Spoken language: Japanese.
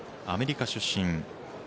アメリカ出身。